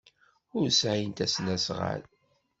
Ur sɛint asnasɣal.